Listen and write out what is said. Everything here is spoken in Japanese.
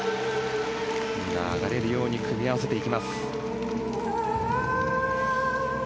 流れるように組み合わせていきます。